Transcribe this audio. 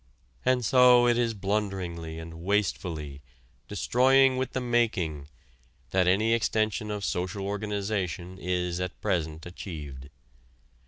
And so it is blunderingly and wastefully, destroying with the making, that any extension of social organization is at present achieved.